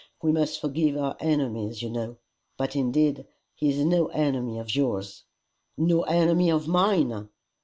We must forgive our enemies, you know. But indeed he is no enemy of yours." "No enemy of mine!